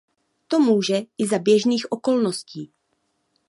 To může i za běžných okolností.